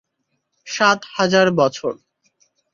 সাত হাজার বছর।